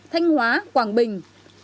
thanh hóa quảng bình